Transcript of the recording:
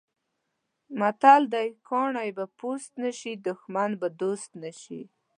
متل دی: کاڼی به پوست نه شي، دښمن به دوست نه شي.